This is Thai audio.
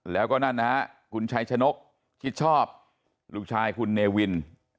แล้วก็นั่นคุณชายชนกฤริชพร์ลูกชายคุณเนวิน